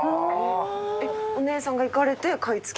お姉さんが行かれて買い付け？